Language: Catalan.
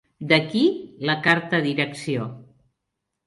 D'aquí, la carta a direcció.